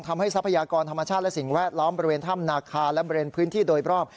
ทรัพยากรธรรมชาติและสิ่งแวดล้อมบริเวณถ้ำนาคาและบริเวณพื้นที่โดยรอบ